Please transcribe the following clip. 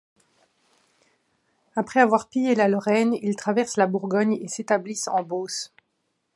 Après avoir pillé la Lorraine, ils traversent la Bourgogne et s’établissent en Beauce.